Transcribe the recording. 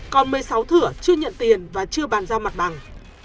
còn một mươi sáu thửa chưa nhận tiền và chưa bàn giao mặt bằng